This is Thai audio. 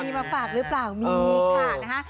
มีมาฝากหรือเปล่ามีค่ะนะฮะ